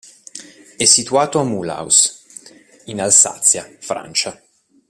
È situato a Mulhouse, in Alsazia, Francia.